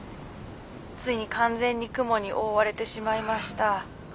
ついに完全に雲に覆われてしまいました。